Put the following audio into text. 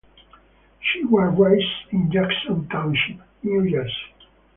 She was raised in Jackson Township, New Jersey.